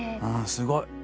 すごい！